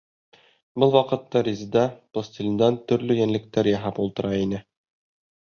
Был ваҡытта Резеда пластилиндән төрлө йәнлектәр яһап ултыра ине.